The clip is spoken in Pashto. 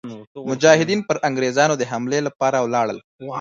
مجاهدین پر انګرېزانو د حملې لپاره ولاړل.